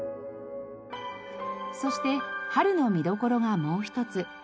そして春の見どころがもう一つ。